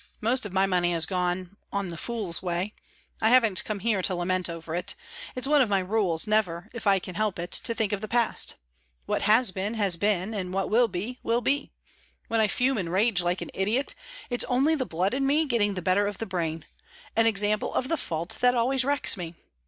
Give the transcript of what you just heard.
Most of my money has gone on the fool's way. I haven't come here to lament over it. It's one of my rules never, if I can help it, to think of the past. What has been, has been; and what will be, will be. When I fume and rage like an idiot, that's only the blood in me getting the better of the brain; an example of the fault that always wrecks me.